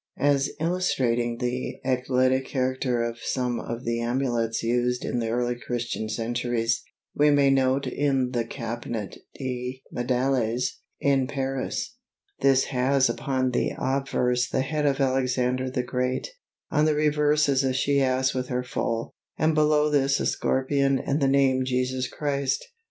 As illustrating the eclectic character of some of the amulets used in the early Christian centuries, we may note one in the Cabinet de Médailles, in Paris. This has upon the obverse the head of Alexander the Great; on the reverse is a she ass with her foal, and below this a scorpion and the name Jesus Christ.